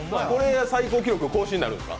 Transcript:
最高記録更新になるんですか？